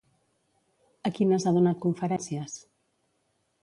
A quines ha donat conferències?